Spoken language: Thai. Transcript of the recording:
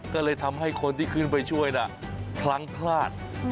ก็เลยทำให้คนที่ขึ้นไปช่วยน่ะพลั้งพลาด